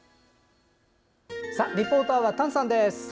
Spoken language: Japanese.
リポーターは丹さんです。